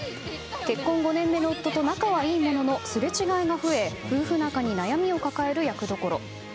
結婚５年目の夫と仲はいいもののすれ違いが増え夫婦仲に悩みを抱える役どころ。